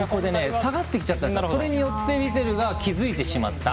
下がってきちゃったからそれによってウィツェルが気付いてしまった。